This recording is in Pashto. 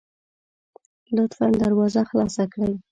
لطفا دروازه خلاصه کړئ